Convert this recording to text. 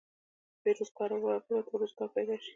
بې روزګاره وګړو ته روزګار پیدا شي.